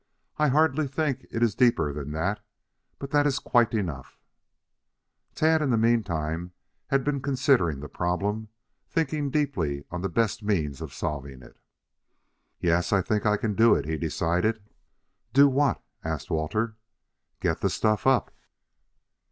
I hardly think it is deeper than that. But that is quite enough " Tad, in the meantime, had been considering the problem, thinking deeply on the best means of solving it. "Yes, I think I can do it," he decided. "Do what?" asked Walter. "Get the stuff up."